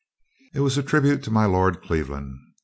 It was a tribute to my Lord Cleveland.